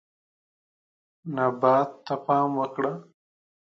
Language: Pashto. نبات ته پام وکړه.